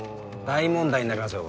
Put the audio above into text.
大問題になりますよ